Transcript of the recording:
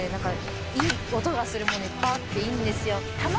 いい音がするものいっぱいあっていいんですよ。